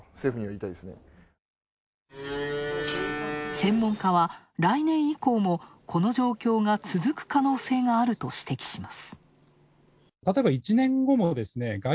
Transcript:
専門家は、来年以降もこの状況が続く可能性があると指摘します。